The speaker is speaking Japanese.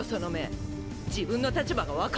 自分の立場が分かってるの？